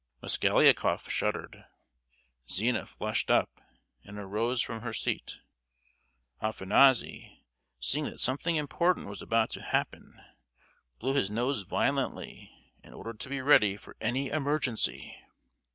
Mosgliakoff shuddered; Zina flushed up, and arose from her seat; Afanassy, seeing that something important was about to happen, blew his nose violently, in order to be ready for any emergency.